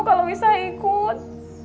kalau isah ikut